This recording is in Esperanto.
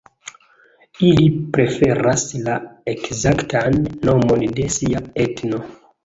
Ili preferas la ekzaktan nomon de sia etno.